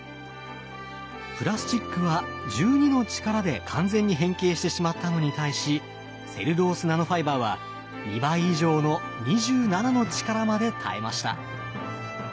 プラスチックは１２の力で完全に変形してしまったのに対しセルロースナノファイバーは２倍以上の２７の力まで耐えました。